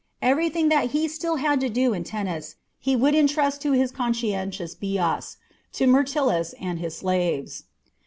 Everything that he still had to do in Tennis he could intrust to his conscientious Bias, to Myrtilus, and his slaves.